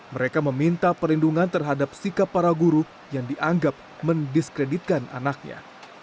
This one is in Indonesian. mereka meminta perlindungan terhadap sikap para guru yang dianggap mendiskreditkan anaknya